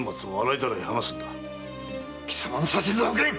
貴様の指図は受けん！